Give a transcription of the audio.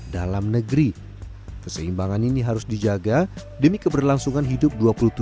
dalam negeri keseimbangan ini harus dijaga demi keberlangsungan hidup